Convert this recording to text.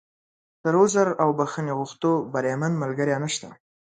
تر عذر او بښنې غوښتو، بریمن ملګری نشته.